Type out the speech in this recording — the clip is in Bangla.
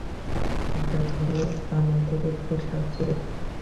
এটা ধরো আমাদের একটু সাহায্য করো।